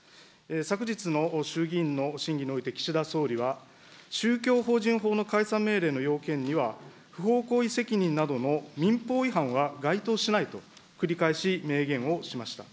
昨日の衆議院の審議において岸田総理は、宗教法人法の解散命令の要件には、不法行為責任などの民法違反は該当しないと、繰り返し明言をしました。